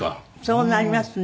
そうなりますね。